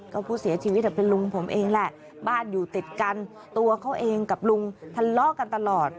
ก็ผู้เสียชีวิตเป็นลุงผมเองแหละบ้านอยู่ติดกันตัวเขาเองกับลุงทะเลาะกันตลอด